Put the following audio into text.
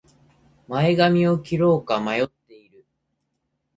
前髪を切ろうか迷っている